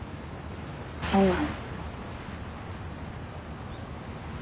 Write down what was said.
そんなの。